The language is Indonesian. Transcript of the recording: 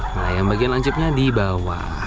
nah yang bagian lancipnya di bawah